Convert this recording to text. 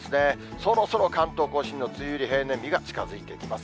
そろそろ関東甲信の梅雨入り、平年日が近づいてきます。